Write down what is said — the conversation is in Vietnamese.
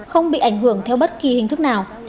không bị ảnh hưởng theo bất kỳ hình thức nào